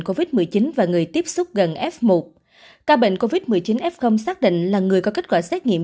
covid một mươi chín và người tiếp xúc gần f một ca bệnh covid một mươi chín f xác định là người có kết quả xét nghiệm